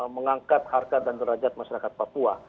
mengangkat harkat dan derajat masyarakat papua